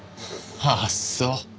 あっそう。